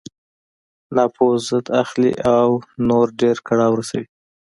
ناپوه ضد اخلي او نور ډېر کړاو رسوي.